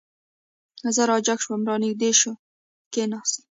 زه را جګ شوم، را نږدې شو، کېناست.